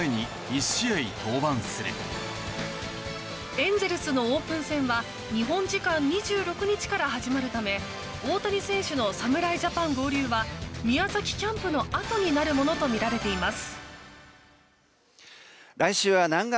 エンゼルスのオープン戦は日本時間２６日から始まるため大谷選手の侍ジャパン合流は宮崎キャンプのあとになるものとみられています。